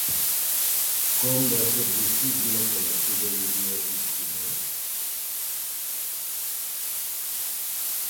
Com va ser possible que la seva idea funcionés?